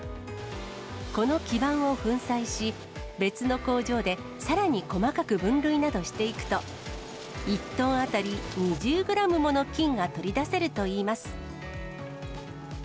この基板を粉砕し、別の工場でさらに細かく分類などしていくと、１トン当たり２０グラムもの金が取り出せるといいます。